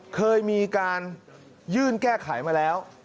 เคยมีการยื่นแก้ไขมาแล้ว